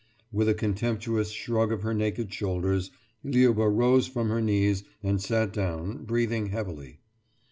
« With a contemptuous shrug of her naked shoulders, Liuba rose from her knees and sat down, breathing heavily.